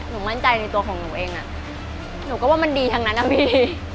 มั่นใจในตัวของหนูเองหนูก็ว่ามันดีทั้งนั้นนะพี่